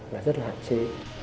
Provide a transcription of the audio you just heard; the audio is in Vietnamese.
là rất là hạn chế